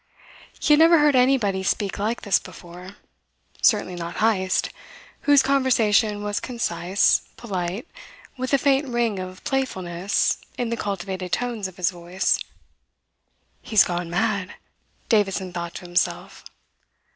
He had never heard anybody speak like this before; certainly not Heyst, whose conversation was concise, polite, with a faint ring of playfulness in the cultivated tones of his voice. "He's gone mad," Davidson thought to himself.